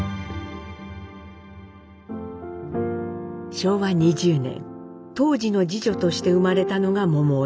昭和２０年東二の次女として生まれたのが桃枝。